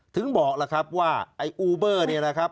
ถึงบอกล่ะครับว่าไอ้อูเบอร์เนี่ยนะครับ